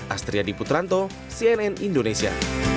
astri adi putranto cnn indonesia